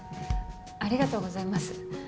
ありがとうございます。